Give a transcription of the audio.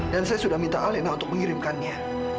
dan saya sudah minta alena untuk mengirimkannya